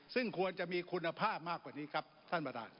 ซึ่งควรจะมีคุณภาพมากกว่านี้ครับท่านประธาน